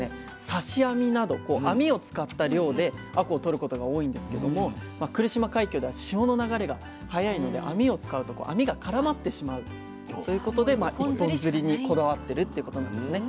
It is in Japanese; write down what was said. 刺し網など網を使った漁であこうをとることが多いんですけども来島海峡では潮の流れが速いので網を使うと網が絡まってしまうそういうことで一本釣りにこだわってるっていうことなんですね。